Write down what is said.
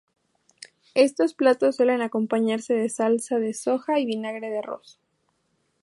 Estos platos suelen acompañarse de salsa de soja y vinagre de arroz.